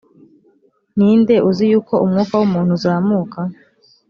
ni nde uzi yuko umwuka w umuntu uzamuka